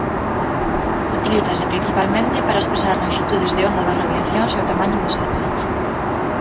Utilízase principalmente para expresar lonxitudes de onda das radiacións e o tamaño dos átomos.